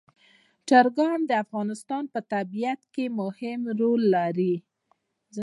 چرګان د افغانستان په طبیعت کې مهم رول لري.